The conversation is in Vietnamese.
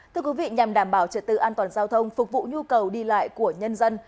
thưa quý vị nhằm đảm bảo trật tự an toàn giao thông phục vụ nhu cầu đi lại của nhân dân